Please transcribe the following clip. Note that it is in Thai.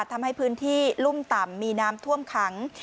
ทำให้พื้นที่รุ่มต่ำมีน้ำท่วมขัง